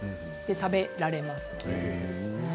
食べられます。